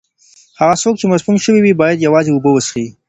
هغه څوک چې مسموم شوی وي، باید یوازې اوبه وڅښي.